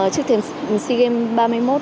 trước tiên sea games ba mươi một